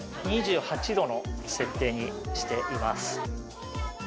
２８度の設定にしています。